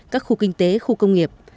các khu kinh tế khu công nghiệp